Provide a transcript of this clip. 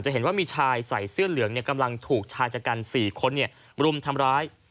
เห็นว่ามีชายใส่เสื้อเหลืองกำลังถูกชายชะกัน๔คนรุมทำร้าย